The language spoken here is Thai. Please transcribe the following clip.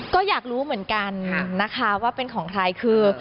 ก็อยากรู้เหมือนกันนะคะว่าเป็นของใครคือ